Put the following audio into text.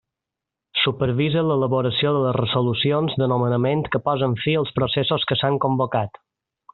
Supervisa l'elaboració de les resolucions de nomenament que posen fi als processos que s'han convocat.